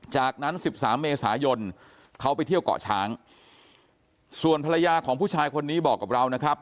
จากนั้นสิบสามเมษายนเขาไปเที่ยวเกาะช้างส่วนภรรยาของผู้ชายคนนี้บอกกับเรานะครับ